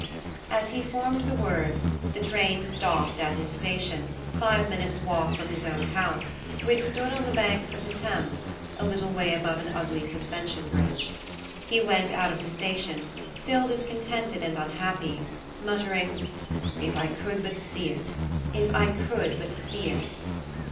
As he formed the words, the train stopped at his station, five minutes' walk from his own house, which stood on the banks of the Thames, a little way above an ugly suspension bridge. He went out of the station, still discontented and unhappy, muttering "If I could but see it! if I could but see it!"